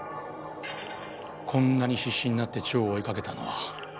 こんなに必死になって蝶を追いかけたのは。